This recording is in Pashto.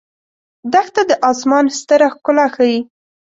دښته د آسمان ستر ښکلا ښيي.